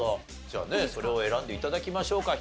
じゃあねそれを選んで頂きましょうか。